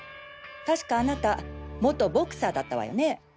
確かあなた元ボクサーだったわよね？